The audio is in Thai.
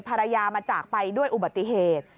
ภรรยามาจากไปด้วยอุบัติเหตุ